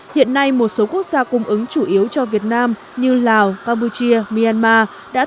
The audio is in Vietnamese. hiện nay một số quốc gia cung ứng chủ yếu cho việt nam như lào campuchia myanmar